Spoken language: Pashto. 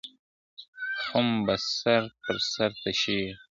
خُم به سر پر سر تشيږي `